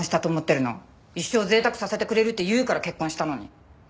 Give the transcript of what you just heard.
一生贅沢させてくれるって言うから結婚したのに。